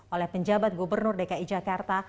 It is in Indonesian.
oleh penjabat gubernur dki jakarta